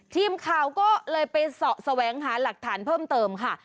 ทีมข่าวก็เลยไปเสาะแสวงหาหลักฐานเพิ่มเติมค่ะ